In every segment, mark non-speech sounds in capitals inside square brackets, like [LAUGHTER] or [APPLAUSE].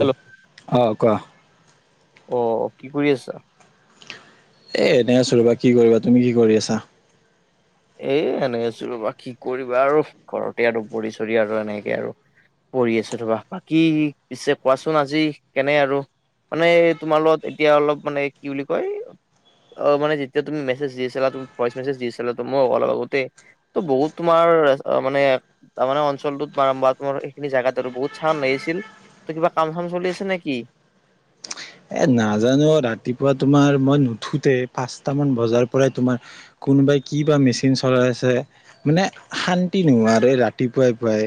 Hello অ', কোৱা। অ', কি কৰি আছা? এ এনেই আছোঁ ৰ'বা, কি কৰিবা! তুমি কি কৰি আছা? এই এনেই আছোঁ ৰ'বা, কি কৰিবা আৰু! ঘৰতে আৰু পৰি চৰি আৰু এনেকে আৰু। পৰি আছোঁ ৰ'বা। বাকী পিছে কোৱাচোন আজি কেনে আৰু মানে তোমাৰ লগত এতিয়া অলপ মানে কি বুলি কয়! অ', মানে যেতিয়া তুমি মেছেজ দি আছিলা, তুমি ভইচ মেছেজ দি আছিলা টো মোক, অলপ আগতে ত' বহুত তোমাৰ, মানে তাৰমানে অঞ্চলটোত [UNINTELLIGIBLE] তোমাৰ সেইখিনি জাগাত আৰু বহুত চাউণ্ড আহি আছিল। এতিয়া কিবা কাম চাম চলি আছে নেকি? এ নাজানো। ৰাতিপুৱা তোমাৰ মই নুঠোতে, পাঁচটা মান বজাৰ পৰাই তোমাৰ কোনবাই কি বা মেচিন চলাই আছে। মানে শান্তি নোহোৱা আৰু এই ৰাতিপুৱাই পুৱাই।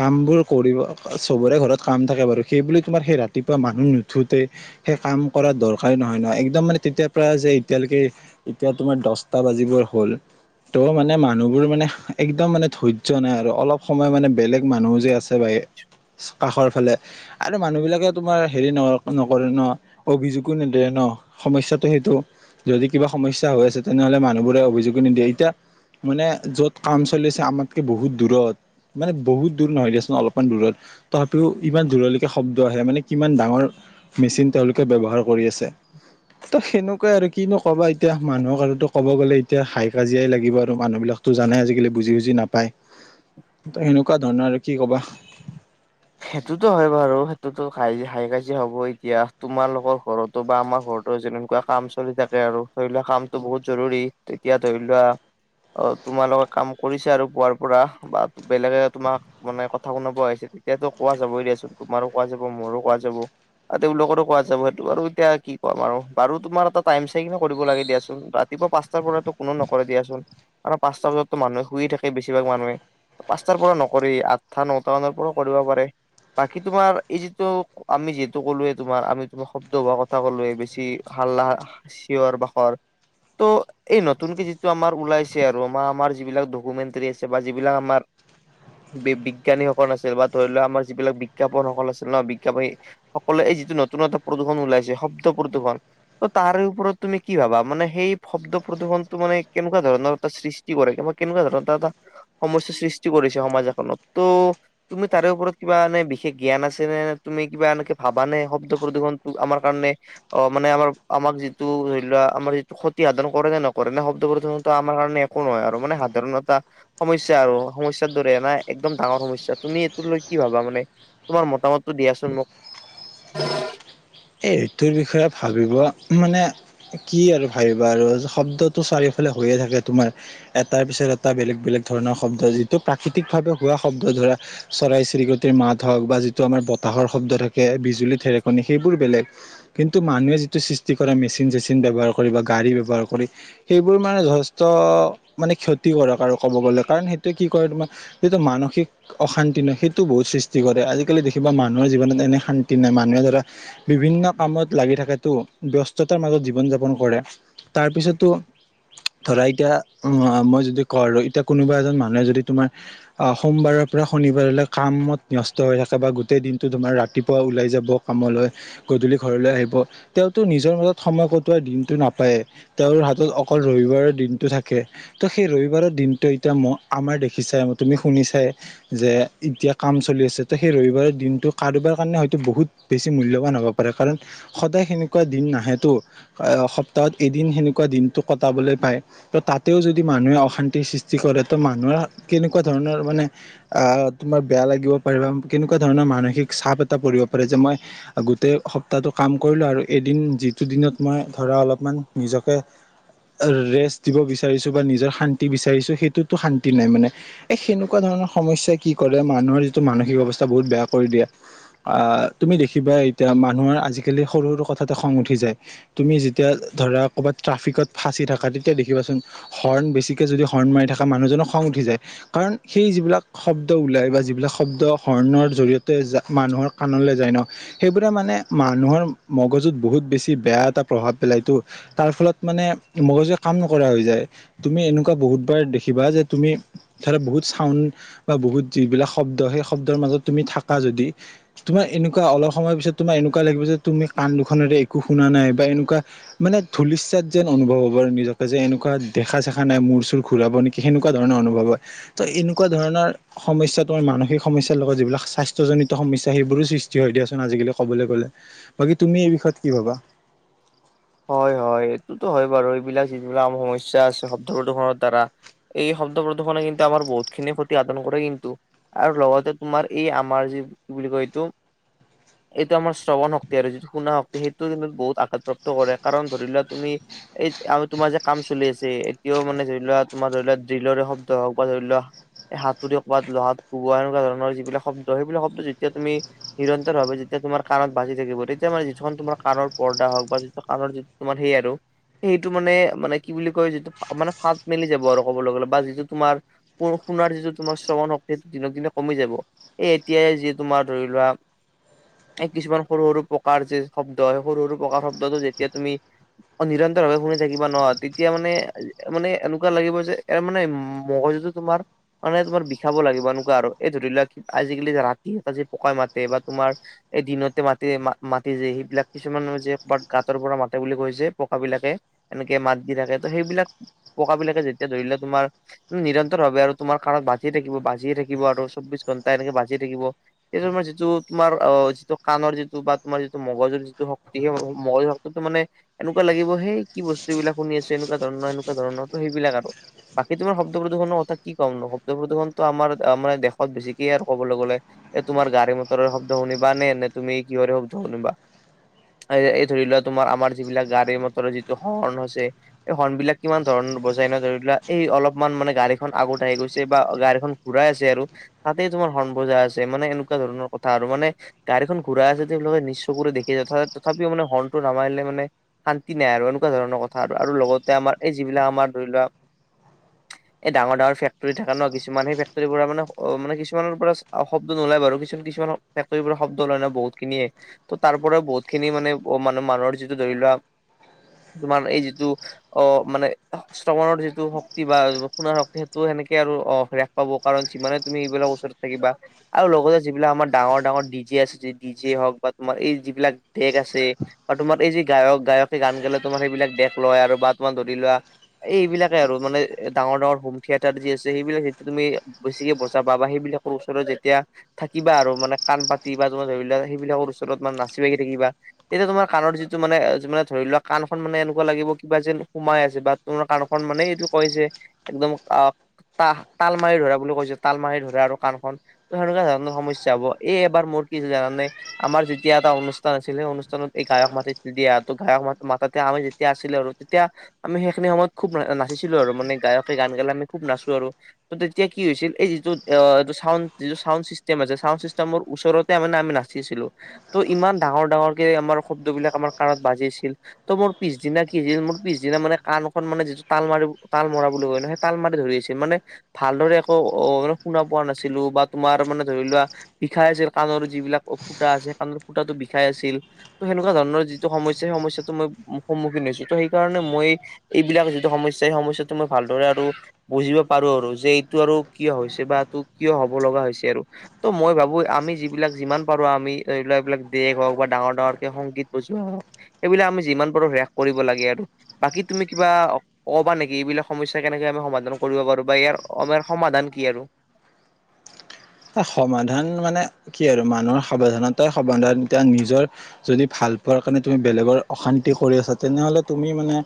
কাম বোৰ কৰিব, অ-চবৰে ঘৰত কাম থাকে বাৰু। সেইবুলি তোমাৰ সেই ৰাতিপুৱা মানুহ নুঠোতে সেই কাম কৰা দৰকাৰী নহয় নহয়। একদম মানে তেতিয়াৰ পৰা যে এতিয়ালৈকে এতিয়া তোমাৰ দছটা বাজিবৰ হ'ল। ত মানে মানুহবোৰ মানে সা-একদম মানে ধৈৰ্য্য নাই আৰু অলপ সময় মানে বেলেগ মানুহও যে আছে [UNINTELLIGIBLE] কাষৰ ফালে। আৰু মানুহ বিলাকে তোমাৰ হেৰি ন-নকৰে ন! অভিযোগো নিদিয়ে ন'! সমস্যাটো সেইটো। যদি কিবা সমস্যা হৈ আছে, তেনেহ'লে মানুহবোৰে অভিযোগো নিদিয়ে। এতিয়া মানে য'ত কাম চলি আছে, আমাতকে বহুত দূৰত। মানে বহুত দূৰ নহয় দিয়াচোন অলপমান দূৰত তথাপিও ইমান দূৰলৈকে শব্দ আহে মানে কিমান ডাঙৰ মেচিন তেওঁলোক কে ব্যৱহাৰ কৰি আছে ত সেনেকুৱাই আৰু কিনো কবা এতিয়া মানুহক আৰু তো ক'ব গ'লে এতিয়া হাই কাজিয়াই লাগিব আৰু মানুহ বিলাক টো জানে আজিকালি বুজি বুজি নাপায় ত সেনেকুৱা ধৰণৰ আৰু কি ক'বা সেইটোতো হয় বাৰু সেইটোতো হাই, হাই কাজি হ'ব এতিয়া তোমালোকৰ ঘৰত তো বা আমাৰ ঘৰতো যেনেকুৱা কাম চলি থাকে আৰু ধৰি লোৱা কামটো বহুত জৰুৰী তেতিয়া ধৰি লোৱা অ তোমাৰ লগত কাম কৰিছে আৰু পোৱাৰ পৰা বা বেলেগে তোমাক গোনে কথা শুনাব আহিছে তেতিয়াতো কোৱা যাবই দিয়াচোন তোমাৰো কোৱা যাব মোৰো কোৱা যাব আৰু তেওঁলোকৰো কোৱা যাব সেইটো আৰু এতিয়া কি ক'ম আৰু বাৰু তোমাৰ এটা টাইম চাই কিনে কৰিব লাগে দিয়াচোন ৰা ৰাতিপুৱা পাঁচটাৰ পৰাতো কোনো নকৰে দিয়াচোন কাৰণ পাঁচটা বজাতো মানুহে শুইয়ে থাকে বেছিভাগ মানুহে পাঁচটাৰ পৰা নকৰি আঠটা নটা মানৰ পৰা কৰিব পাৰে বাকী তোমাৰ এই যিটো আমি যিহেতু ক'লোয়ে তোমাৰ আমি তোমাৰ শব্দ হোৱা কথা কলোয়ে বেছি হাল্লা চিঞৰ বাখৰ ত' এই নতুনকে যিটো আমাৰ ওলাইছে আৰু আমাৰ আমাৰ যিবিলাক ডকুমেণ্টৰী আছে বা যিবিলাক আমাৰ বি বিজ্ঞানীসকল আছিল বা ধৰি লোৱা আমাৰ যিবিলাক বিজ্ঞাপনসকল আছিল ন বিজ্ঞাপনী সকলোৱে এই যিটো নতুন নতুন প্ৰদূষণ ওলাইছে শব্দ প্ৰদূষণ ত তাৰে ওপৰত তুমি কি ভাবা মানে সেই শব্দ প্ৰদূষণটো মানে কেনেকুৱা ধৰণৰ এটা সৃষ্ টি কৰে বা কেনেকুৱা ধৰণৰ এটা এটা সমস্যাৰ সৃষ্টি কৰিছে সমাজ এখনত তো তুমি তাৰে ওপৰত কিবা এনেই বিশেষ জ্ঞান আছে নে নে তুমি কিবা এনেকে ভাবা নে শব্দ প্ৰদূষণটো আমাৰ কাৰণে অ মানে আমাৰ আমাক যিটো ধৰি লোৱা আমাৰ যিটো ক্ষতি সাধন কৰে নে নকৰে নে শব্দ প্ৰদূষণ টো আমাৰ কাৰণে একো নহয় আৰু মানে সাধাৰণ এটা সমস্যা আৰু সমস্যাৰ দৰে এনা একদম ডাঙৰ সমস্যা তুমি এইটো লৈ কি ভাবা মানে তোমাৰ মতামতটো দিয়াচোন মোক এইটোৰ বিষয়ে ভাবিব মানে কি আৰু ভাবিবা আৰু শব্দটো চাৰিওফালে হৈয়ে থাকে তোমাৰ এটাৰ পিছত এটা বেলেগ বেলেগ ধৰণৰ শব্দ যিটো প্ৰাকৃতিক ভাৱে হোৱা শব্দ ধৰা চৰাই চিৰিকটিৰ মাত হওক বা যিটো আমাৰ বতাহৰ শব্দ থাকে বিজুলী ধেৰকণি সেই বোৰ বেলেগ কিন্তু মানুহে যিটো সৃষ্টি কৰা মেচিন চেচিন ব্যৱহাৰ কৰি বা গাড়ী ব্যৱহাৰ কৰি সেইবোৰ মানে যথেষ্ট মানে ক্ষতি কৰক আৰু ক'ব গ'লে কাৰণ সেইটোৱে কি কৰে তোমাক সিটো মানসিক অশান্তি ন সেইটো বহুত সৃষ্টি কৰে আজিকালি দেখিবা মানুহৰ জীৱনত এনে শান্তি নাই মানুহে ধৰা বিভিন্ন কামত লাগি থাকাটো ব্যস্ততাৰ মাজত জীৱন যাপন কৰে তাৰপিছতো ধৰা এতিয়া মই যদি কৰৰৈ এতিয়া কোনোবা এজন মানুহে যদি তোমাৰ সোমবাৰৰ পৰা শনিবাৰলৈ কামত ব্যস্ত হৈ থাকে বা গোটেই দিনটো তোমাৰ ৰাতিপুৱা ওলাই যাব কামলৈ গধূলি ঘৰলৈ আহিব তেওঁতো নিজৰ মাজত সময় কটোৱাৰ দিনটো নাপায়েই তেওঁৰ হাতত অকল ৰবিবাৰৰ দিনটো থাকে ত সেই ৰবিবাৰৰ দিনটো এতিয়া ম আমাৰ দেখিছাই তুমি শুনিছাই যে এতিয়া কাম চলি আছে ত সেই ৰবিবাৰৰ দিনটো কাৰোবাৰ কাৰণে হয়তো বহুত বেছি মূল্যবান হব পাৰে কাৰণ সদায় সেনেকুৱা দিন নাহেতো হয় সপ্তাহত এদিন সেনেকুৱা দিনটো কটাবলৈ পায় ত তাতেও যদি মানুহে অশান্তিৰ সৃষ্টি কৰে ত মানুহৰ কেনেকুৱা ধৰণৰ মানে আহ তোমাৰ বেয়া লাগিব পাৰে বা কেনেকুৱা ধৰণৰ মানসিক চাপ এটা পৰিব পাৰে যে মই গোটেই সপ্তাহটো কাম কৰিলো আৰু এদিন যিটো দিনত মই ধৰা অলপমান নিজকে ৰেষ্ট দিব বিচাৰিছো বা নিজৰ শান্তি বিচাৰিছো সেইটোতো শান্তি নাই মানে এ সেনেকুৱা ধৰণৰ সমস্যাই কি কৰে মানুহৰ যিটো মানসিক অৱস্থা বহুত বেয়া কৰি দিয়ে। আহ তুমি দেখিবা এতিয়া মানুহৰ আজিকালি সৰু সৰু কথাতে খং উঠি যায়। তুমি যেতিয়া ধৰা ক'ৰবাত ট্ৰাফিকত ফাঁচি থাকা তেতিয়া দেখিবাচোন হৰ্ণ বেছিকে যদি হৰ্ণ মাৰি থকা মানুহজনক খং উঠি যায় কাৰণ সেই যিবিলাক শব্দ ওলাই বা যিবিলাক শব্দ হৰ্ণৰ জৰিয়তে যা মানুহৰ কাণলৈ যাই ন, সেইবোৰে মানে মানুহৰ মগজুত বহুত বেছি বেয়া এটা প্ৰভাৱ পেলাইতো তাৰ ফলত মানে মগজুৱে কাম নকৰা হৈ যায়। তুমি এনেকুৱা বহুতবাৰ দেখিবা যে তুমি ধৰা বহুত চাউণ্ড বা বহুত যিবিলাক শব্দ সেই শব্দৰ মাজত তুমি থাকা যদি তোমাৰ এনেকুৱা অলপ সময় পিছত তোমাৰ এনেকুৱা লাগিব যে তুমি কাণ দুখনেৰে একো শুনা নাই বা এনেকুৱা মানে ধলিচ্যাত যেন অনুভৱ হ'ব আৰু নিজকে যে এনেকুৱা দেখা চেখা নাই মূৰ চুৰ ঘূৰাব নেক- কি সেনেকুৱা ধৰণৰ অনুভৱ হয়। ত এনেকুৱা ধৰণৰ সমস্যা তোমাৰ মানসিক সমস্যাৰ লগত যিবিলাক স্বাস্থ্যজনিত সমস্যা সেইবোৰো সৃষ্ট- চি দিয়াচোন আজিকালি ক'বলৈ গ'লে, বাকী তুমি এই বিষয়ত কি ভবা? হয় হয় এইটোতো হয় বাৰু এইবিলাক যিবিলাক আম সমস্যা আছে শব্দ প্ৰদূষণ দ্বাৰা এই শব্দ প্ৰদূষণে কিন্তু আাৰ বহুতখিনি ক্ষতি সাধন কৰে কিন্তু। আৰু লগতে তোমাৰ এই আমাৰ যি কি বুলি কয় এইটো এইটো আমাৰ শ্ৰৱণ শক্তি আৰু যিটো সুনা শক্তি সেইটো বহুত আঘাতপ্ৰাপ্ত ত কৰে। কাৰণ ধৰি লোৱা তুমি এই আ তোমাৰ যে কাম চলি আছে এতিয়াও মানে ধৰি লোৱা তোমাৰ ধৰি লোৱা ড্ৰিলৰে শব্দ হওক বা ধৰি লোৱা হাতুৰি ক'বাত লোহাত কোৱা এনেকুৱা ধৰণৰ যিবিলাক শব্দ সেইবিলাক শব্দ যেতিয়া তুমি নিৰন্তৰভাৱে যেতিয়া তোমাৰ কাণত বাজি থাকিব তেতিয়া মানে যিখন তোমাৰ কানৰ পৰ্দা হওক বা কাৰণ যিত তোমাৰ সেই আৰু। সেইটো মানে মানে কি বুলি কয় যিটো মানে ফাত মেলি যাব আৰু ক'বলে গ'লে বা যিটো তোমাৰ পৌৰ শুনাৰ যিটো তোমাৰ শ্ৰৱণ শক্তি দিনক দিনে কমি যাব। এ এতিয়াই যি তোমাৰ ধৰি লোৱা এই কিছুমান সৰু সৰু প্ৰকাৰ যে শব্দ হয় সৰু সৰু প্ৰকাৰ শব্দটো যেতিয়া তুমি নিৰন্তৰ ভাৱে শুনি থাকিবা ন তেতিয়া মানে মানে এনেকুৱা লাগিব যে এ মানে মগজুটো তোমাৰ মানে তোমাৰ বিষাব লাগিব এনেকুৱা আৰু এই ধৰি লোৱা আজিকালি ৰাতি টাজি পকাই মাতে বা তোমাৰ এই দিনতে মাতি মাতি যায় সেইবিলাক কিছুমান যে গাত তৰ পৰা মাতে বুলি কয় যে পকাবিলাকে এনেকে মাত দি থাকে ত সেইবিলাক পকাবিলাকে যেতিয়া ধৰিলে তোমাৰ উ নিৰন্তৰ ভাৱে আৰু তোমাৰ কাণত বাজিয়ে থাকিব বাজিয়ে থাকিব আৰু চৌব্বিশ ঘণ্টাই এনেকে বাজিয়ে থাকিব। সেই তোমাৰ যিটো তোমাৰ অ যিটো কাণৰ যিটো বা তোমাৰ যিটো মগজুৰ যিটো শক্তি সেই মগজু শক্ত- তত মানে এনেকুৱা লাগিব সেই কি বস্তুবিলাক শুনি আছো এনেকুৱা ধৰণৰ এনেকুৱা ধৰণৰ ত সেইবিলাক আৰু। বাকী তোমাৰ শব্দ প্ৰদূষণৰ কথা কি কম ন শব্দ প্ৰদূষণতো আমাৰ মান দেশত বেছিকে আৰু ক'বলে গ'লে। এ তোমাৰ গাড়ী মটৰ শব্দ শুনিবা নে নে তুমি কি হয়ৰ শব্দ শুনিবা? এই ধৰি লোৱা তোমাৰ আমাৰ যিবিলাক গাড়ী মটৰৰ যিটো হৰ্ণ হৈছে এই হৰ্ণবিলাক কিমান ধৰণৰ বজাই ন ধৰিলা এই অলপমান মানে গাড়ীখন আগত আহি গৈছে বা গাড়ীখন ঘূৰাই আছে আৰু তাতেই তোমাৰ হৰ্ণ বজাই আছে মানে এনেকুৱা ধৰণৰ কথা আৰু মানে গাড়ীখন ঘূৰা আছেদি আপোলোকে নিচ চকুৰে কৰি দেখে তথা তথাপিও মানে হৰ্ণটো নামাৰিলে মানে শান্তি নাই আৰু এনেকুৱা ধৰণৰ কথা আৰু। আৰু লগতে আমাৰ এই যিবিলাক আমাৰ ধৰি লোৱা [INAUDIBLE] এই ডাঙৰ ডাঙৰ ফেক্টৰী থাকা ন কিছুমান সেই ফেক্টৰী পৰা মানে অ মানে কিছুমানৰ পৰা অ শব্দ নোলাই বাৰু কিছু কিছুমানৰ ত শব্দ লয় ন বহুত খিনিয়ে ত তাৰ পৰা বহু খিনি মানে অকমন। মানুহৰ যিটো ধৰি লোৱা তোমাৰ এই যিটো অ মানে। শ্ৰৱণৰ যিটো শক্তি বা সুনাৰ শক্তি সেইটো সেনেকে আৰু হ্ৰাস পাব কাৰণ যিমানে তুমি এইবিলাক ওচৰত। কিবা। আৰু লগতে যিবিলাক আমাৰ ডাঙৰ ডাঙৰ ডি জে আছে য ডি জে হওক বা তোমাৰ এই যিবিলাক ডেক আছে। আৰু তোমাৰ এই যি গায়ক গায়কে গান গালে তোমাৰ সেইবিলাক দেক লয় আৰু বা তোমাৰ ধৰি লোৱা। এই এইবিলাকে আৰু মানে ডাঙৰ ডাঙৰ হোম থিয়েটাৰ যি আছে সেইবিলাক তেতিয়া তুমি বেছিকে বজাবা বা সেইবিলাক। সৰু ওচৰত যেতিয়া। থাকিবা আৰু মানে কাণ পাতি বা তমাৰ ধৰি ললাক সেইবিলাকৰ ওচৰত মানে নাচি বাগি থাকিবা এতিয়া তোমাৰ। কাৰ যিটো মানে মানে ধৰি লোৱা কাণখন মানে এনেকুৱা লাগিব কিবা যেন সোমাই আছে বা তোমাৰ কাণ খন মানে এইটো কৈ যে একদম আহ ত তাল মাৰি ধৰা বুলি কৈছে তাল মাৰি ধৰা আৰু কাণখন। সেনেকুৱা ধৰণৰ সমস্যা হব এই এবাৰ মোৰ কি হৈছে জানা নে? আমাৰ যেতিয়া এটা অনুষ্ঠান আছিলে সেই অনুষ্ঠানত। এই গায়ক মাতে দিয়া ত গায়ক ম মাতাতে আমি যেতিয়া আছিলো আৰু তেতিয়া। আমি সেইখিনি সময়ত খুব না নাচিছিলো আৰু মানে গায়কে গান গালে আমি খুব নাচো আৰু। ত তেতিয়া কি হৈছিল এই যিটোটো চাউন যিটো চাউন চাউণ্ড চিষ্টেমৰ ওচৰতে মানে আমি নাচি আছিলো। শব্দবিলাক আমাৰ কাণত বাজি আছিল। ত' মোৰ পিছদিনা কি মোৰ পিছদিনা মানে কাণখন মানে যিটো তাল মাৰ তাল মৰা বুলি হয় ন। তাল মাৰি ধৰি আছিল মানে ভালদৰে একো অন শুনা পোৱা নাছিলো বা তোমাৰ মানে ধৰি লোৱা। বিষাই আছিল কাণৰ যিবিলাক ফুটা আছে কাণৰ ফুতটো বিষাই আছিল। ত সেনেকুৱা ধৰণৰ যিটো সমস্যা সেই সমস্যাটো মই সন্মুখীন হৈছো ত সেইকাৰণে মই। এইবিলাকৰ যিটো সমস্যয়া সেই সমস্যাটো টো মই ভালদৰে আৰু। বুজিব পাৰো আৰু যে এইটো আৰু ক হৈছে বা এইটো কিয় হব লগা হৈছে আৰু। ত' মই ভাবো আমি যিবিলাক যিমান পাৰো আমি এইবিলাক এইবিলাক দেশ হওক বা ডাঙৰ ডাঙৰ। সংগীত বজোৱা হ সেইবিলাক আমি যিমান পাৰো হ্ৰাস কৰিব লাগে আৰু বাকী তুমি কিবা। কবা নেকি এইবিলাক সমস্যা কেনেকে আমি সমাধান কৰিব পাৰো বা ইয়াৰ আমাৰ সমাধান কি আৰু। সমাধান মানে কি আৰু মানুহৰ সাৱধানতাই সমাধান এতিয়া নিজৰ। যদি ভাল পোৱাৰ কাৰণে তুমি বেলেগৰ অশান্তি কৰি আছা তেনেহলে তুমি মানে।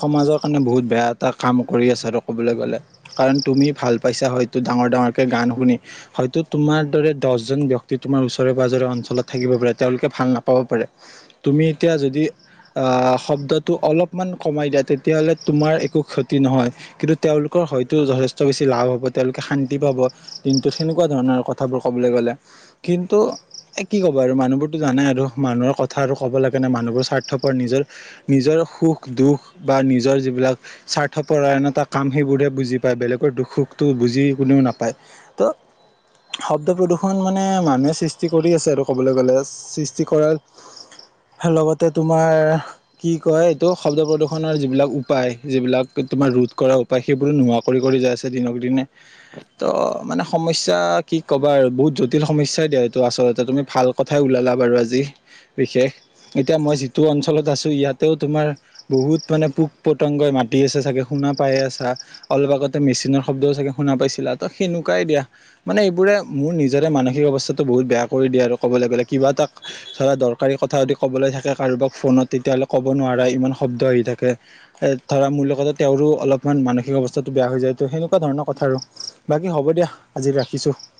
সমাজৰ কাৰণে বহুত বেয়া এটা কাম কৰি আছে আৰু ক'বলৈ গলে। কাৰণ তুমি ভাল পাইছা হয়তো ডাঙৰ ডাঙৰকে গান শুনি। হয়তো তোমাৰ দৰে দহজন ব্যক্তি তোমাৰ ওচৰে পাজৰে অঞ্চলত থাকিব পাৰে তেওঁলোকে ভাল নাপাব পাৰে। তুমি এতিয়া যদি। আহ শব্দটো অলপমান কমাই দিয়া তেতিয়াহ'লে তোমাৰ একো ক্ষতি নহয়। কিন্তু তেওঁলোকৰ হয়তো যথেষ্ট বেছি লাভ হব তেওঁলোকে শান্তি পাব দিনটোত। সেনেকুৱা ধৰণৰ কথাবোৰ ক'বলৈ গ'লে কিন্তু। এ কি ক'ব আৰু মানুহবোৰতো জানাই আৰু মানুহৰ কথা আৰু ক'ব লাগে নাই মানুহবোৰ স্বাৰ্থপ নিজৰ নিজৰ সুখ দুখ বা নিজৰ যিবিলাক। স্বাৰ্থপ আন এটা কাম সেইবোৰৰে বুজি পায় বেলেগৰ দুখ সুখতো বুজি কোনেও নাপায়। ত। শব্দ প্ৰদূৰ্ষণ মানে মানুহে সৃষ্টি কৰি আছে আৰু ক'বলৈ গ'লে সৃষ্টি কৰাৰ। লগতে তোমাৰ। কি কয় এইটো শব্দ প্ৰদুৰ্শনৰ যিবিলাক উপায় যিবিলাক তোমাৰ ৰোধ কৰা। পায় সেইবোৰো নোহোৱা কৰি যাই আছে দিনক দিনে ত মানে। সমস্যা কি ক'বা আৰু বহুত জটিল সমস্যাই দিয়া এইটো আচলতে তুমি ভাল কথাই ওলালা বাৰু আজি। বিশেষ এতিয়া মই যিটো অঞ্চলত আছো ইয়াতেও তোমাৰ বহুত মানে পোক পতংগই মাতি আছে চাগে শুনা পায়ে আছা অলপ আগতে মেচিনৰ শব্দও চাগে শুনা পাইছিলা ত সেনুকাই দিয়া মানে এইবোৰে মোৰ নিজৰে মানসিক অৱস্থাটো বহুত বেয়া কৰি দিয়ে আৰু ক'বলে গ'লে কিবা এটা ধৰা দৰকাৰী কথা যদি কবলে থাকে কাৰোবাক ফোনত তেতিয়াহ'লে ক'ব নোৱাৰা ইমান শব্দ আহি থাকে এ ধৰা মুৰ লগতে তেওঁৰো অলপমান মানসিক অৱস্থাটো বেয়া হৈ যায় ত সেনেকুৱা ধৰণৰ কথা আৰু বাকী হ'ব দিয়া আজিলে ৰাখিছো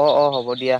অ অ হ'ব দিয়া